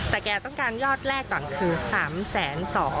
แต่แกต้องการยอดแรกก่อนคือ๓๒๐๐บาท